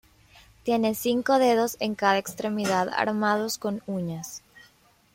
Tiene cinco dedos en cada extremidad armados con uñas.